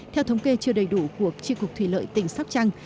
theo thống kê chưa đầy đủ của tri cục thủy lợi tỉnh sóc trăng